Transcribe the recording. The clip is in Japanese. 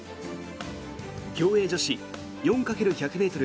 競泳女子４×１００ｍ